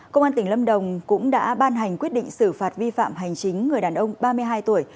công an tỉnh lâm đồng cũng đã ban hành quyết định xử phạt vi phạm hành chính người đàn ông ba mươi hai tuổi